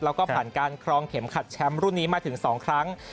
แล้วก็ผ่านการครองเข็มขัดแชมป์รุ่นนี้มาถึง๒ครั้ง